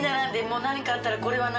何かあったら「これは何？